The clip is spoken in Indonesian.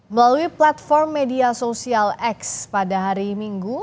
melalui platform media sosial x pada hari minggu